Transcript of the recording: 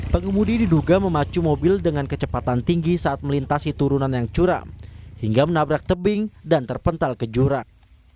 pengemudi diduga memacu mobil dengan kecepatan tinggi saat melintasi turunan yang curam hingga menabrak tebing dan terpental ke jurang